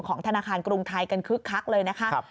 ธนาคารกรุงไทยกันคึกคักเลยนะคะ